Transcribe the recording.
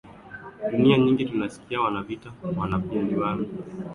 dunia nyingi tunasikia wanavita wanapinduana wenyewe kwa wenyewe